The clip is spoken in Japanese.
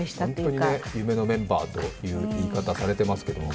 本当に夢のメンバーという言い方をされていますけどね。